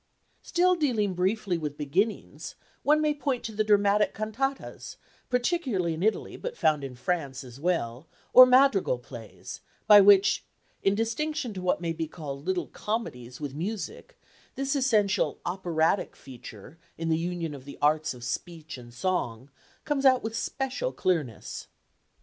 Still dealing briefly with beginnings, one may point to the dramatic cantatas particularly in Italy, but found in France as well or madrigal plays, by which, in distinction to what may be called little comedies with music, this essential "operatic" feature in the union of the arts of speech and song, comes out with special clearness.